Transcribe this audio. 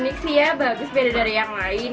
unik sih ya bagus beda dari yang lain